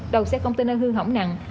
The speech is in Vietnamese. đầu xe container hư hỏng nặng